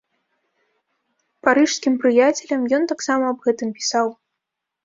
Парыжскім прыяцелям ён таксама аб гэтым пісаў.